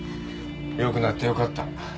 よくなってよかった